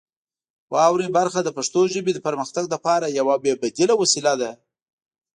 واورئ برخه د پښتو ژبې د پرمختګ لپاره یوه بې بدیله وسیله ده.